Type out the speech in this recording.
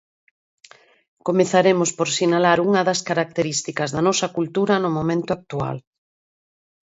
Comezaremos por sinalar unha das características da nosa cultura no momento actual.